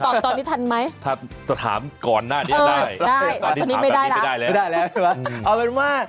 ตอบตอนนี้ทันไหมถ้าถามก่อนหน้านี้ได้ตอนนี้ตอบตรงนี้ไปได้แล้วเอาเป็นว่า